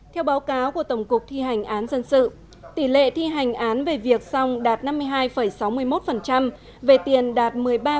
theo báo cáo của tổng cục thi hành án dân sự tỷ lệ thi hành án về việc xong đạt năm mươi hai sáu mươi một về tiền đạt một mươi ba ba